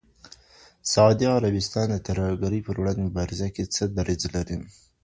سعودي عربستان د ترهګرۍ پر وړاندې مبارزه کي څه دریځ لري؟